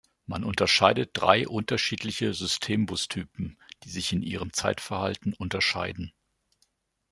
Man unterscheidet drei unterschiedliche Systembus-Typen, die sich in ihrem Zeitverhalten unterscheiden.